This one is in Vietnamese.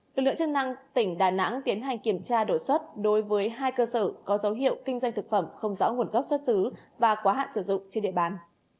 lực lượng chức năng tỉnh đà nẵng tiến hành kiểm tra đột xuất đối với hai cơ sở có dấu hiệu kinh doanh thực phẩm không rõ nguồn gốc xuất xứ và quá hạn sử dụng trên địa bàn